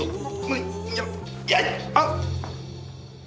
あっ！